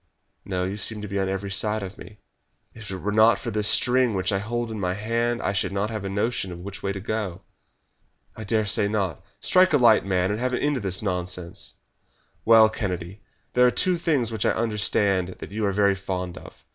"No; you seem to be on every side of me." "If it were not for this string which I hold in my hand I should not have a notion which way to go." "I dare say not. Strike a light, man, and have an end of this nonsense." "Well, Kennedy, there are two things which I understand that you are very fond of.